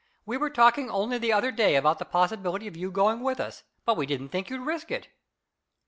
We were talking only the other day about the possibility of you going with us, but we didn't think you'd risk it."